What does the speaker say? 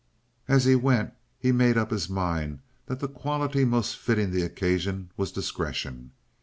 As he went he made up his mind that the quality most fitting the occasion was discretion.